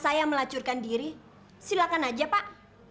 kalau lo mau berdiri silakan aja pak